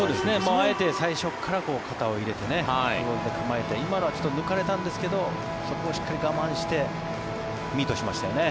あえて最初から肩を入れて構えて今のはちょっと抜かれたんですけどそこをしっかり我慢してミートしましたよね。